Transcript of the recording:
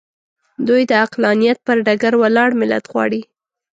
دوی د عقلانیت پر ډګر ولاړ ملت غواړي.